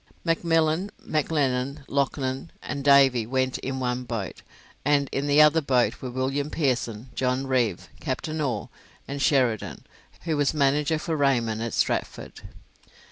McMillan, McLennan, Loughnan, and Davy went in one boat, and in the other boat were William Pearson, John Reeve, Captain Orr, and Sheridan, who was manager for Raymond at Stratford.